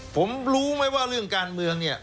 ผมรู้ไหมว่าเรื่องการเมืองเนี่ย